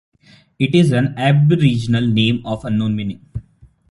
It is an Aboriginal name of unknown meaning.